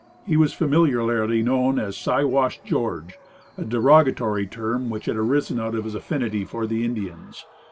He was familiarly known as "Siwash" George a derogatory term which had arisen out of his affinity for the Indians.